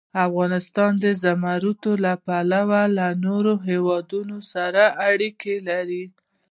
افغانستان د زمرد له پلوه له نورو هېوادونو سره اړیکې لري.